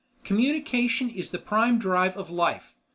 Communication is the prime drive of life.